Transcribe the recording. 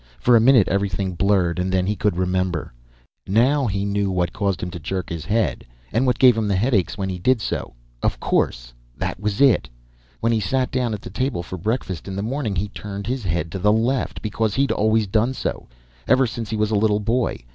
For a minute everything blurred, and then he could remember. Now he knew what caused him to jerk his head, what gave him the headaches when he did so. Of course. That was it. When he sat down at the table for breakfast in the morning he turned his head to the left because he'd always done so, ever since he was a little boy.